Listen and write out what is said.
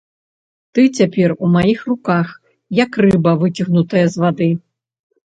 Ты цяпер у маіх руках, як рыба выцягнутая з вады.